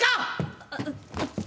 あっ。